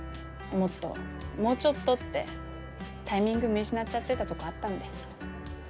もっともうちょっとってタイミング見失っちゃってたとこあったんで。